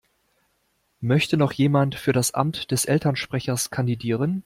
Möchte noch jemand für das Amt des Elternsprechers kandidieren?